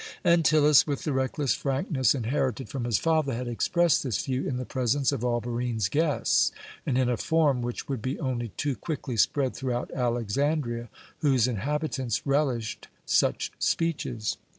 Antyllus, with the reckless frankness inherited from his father, had expressed this view in the presence of all Barine's guests, and in a form which would be only too quickly spread throughout Alexandria, whose inhabitants relished such speeches.